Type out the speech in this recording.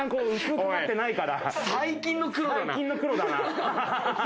最近の黒だな。